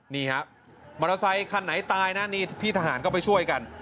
นี่ฮะมอเตอร์ไซคันไหนตายนะนี่พี่ทหารก็ไปช่วยกัน